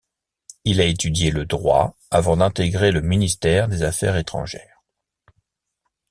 Il a étudié le droit avant d’intégrer le ministère des Affaires étrangères.